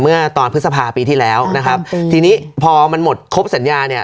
เมื่อตอนพฤษภาปีที่แล้วนะครับทีนี้พอมันหมดครบสัญญาเนี่ย